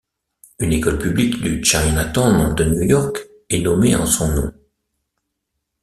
Une école publique du Chinatown de New York est nommé en son nom.